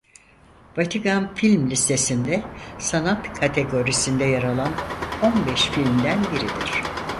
Vatikan film listesinde "Sanat" kategorisinde yer alan on beş filmden biridir.